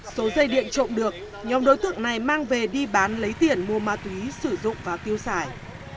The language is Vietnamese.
số dây điện trộm được nhóm đối tượng này mang về đi bán lấy tiền mua ma túy sử dụng và tiêu xài